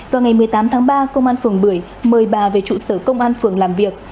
vào ngày một mươi tám tháng ba công an phường bưởi mời bà về trụ sở công an phường làm việc